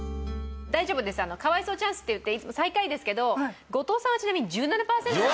大丈夫ですよ「可哀想チャンス」っていって最下位ですけど後藤さんはちなみに１７パーセント。